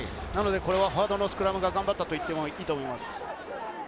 フォワードのスクラムが頑張ったと言ってもいいと思います。